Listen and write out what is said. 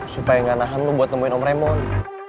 supaya ga nahan lu buat temuin om raymond